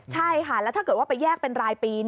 ใช่ค่ะแล้วถ้าเกิดว่าไปแยกเป็นรายปี